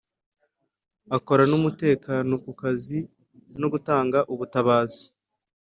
Akora n’umutekano ku kazi no gutanga ubutabazi